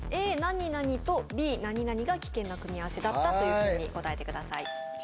何々とＢ何々が危険な組み合わせだったというふうに答えてください